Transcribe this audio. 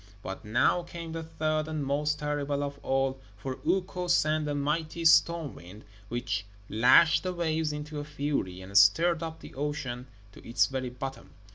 But now came the third and most terrible of all, for Ukko sent a mighty storm wind, which lashed the waves into a fury, and stirred up the ocean to its very bottom.